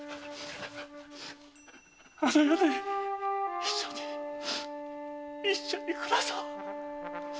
あの世で一緒に一緒に暮らそう！